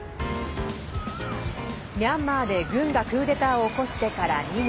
ミャンマーで、軍がクーデターを起こしてから２年。